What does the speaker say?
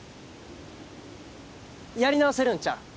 やり直せるんちゃうん？